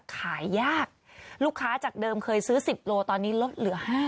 ขายยากลูกค้าจากเดิมเคยซื้อ๑๐โลตอนนี้ลดเหลือ๕๐